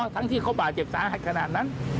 ทั้งที่เขาบ่าเจ็บส้างหักขนาดนั้น